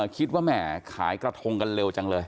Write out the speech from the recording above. แหมขายกระทงกันเร็วจังเลย